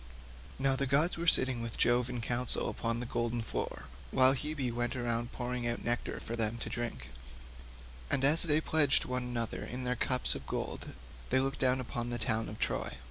Now the gods were sitting with Jove in council upon the golden floor while Hebe went round pouring out nectar for them to drink, and as they pledged one another in their cups of gold they looked down upon the town of Troy.